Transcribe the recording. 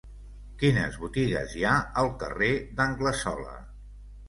Quines botigues hi ha al carrer d'Anglesola?